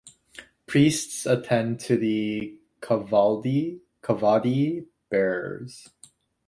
Priests attend to the kavadi bearers.